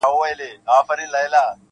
او سارنګ څه وايي -